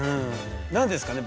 何ですかね？